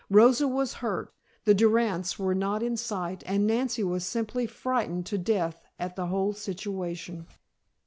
Rosa was hurt, the Durands were not in sight and Nancy was simply frightened to death at the whole situation.